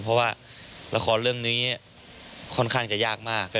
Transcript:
เพราะว่าละครเรื่องนี้ค่อนข้างจะยากมาก